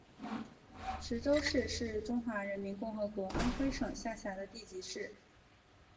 池州市是中华人民共和国安徽省下辖的地级市。